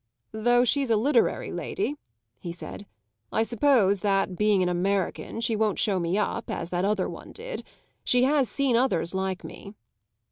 "Though she's a literary lady," he said, "I suppose that, being an American, she won't show me up, as that other one did. She has seen others like me."